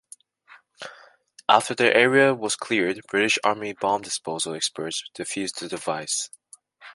After the area was cleared British Army bomb disposal experts defused the device.